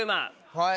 はい。